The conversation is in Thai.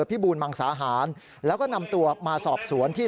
บูรมังสาหารแล้วก็นำตัวมาสอบสวนที่